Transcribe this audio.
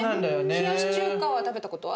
冷やし中華は食べたことは？